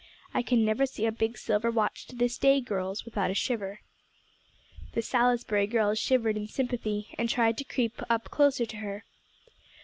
I can never see a big silver watch to this day, girls, without a shiver." The "Salisbury girls" shivered in sympathy, and tried to creep up closer to her.